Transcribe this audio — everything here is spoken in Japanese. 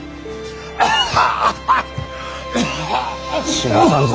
死なさんぞ。